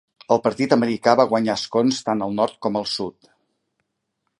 El partit americà va guanyar escons tant al nord com al sud.